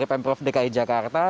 pemprov dki jakarta